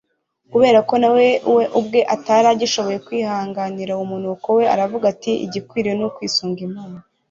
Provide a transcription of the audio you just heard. kubera ko na we ubwe atari agishoboye kwihanganira uwo munuko we, aravuga ati igikwiriye ni ukwisunga imana